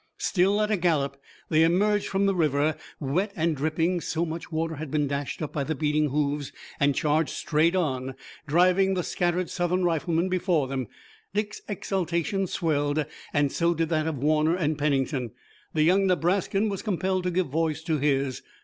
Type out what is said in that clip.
Still at a gallop, they emerged from the river, wet and dripping, so much water had been dashed up by the beating hoofs, and charged straight on, driving the scattered Southern riflemen before them. Dick's exultation swelled, and so did that of Warner and Pennington. The young Nebraskan was compelled to give voice to his.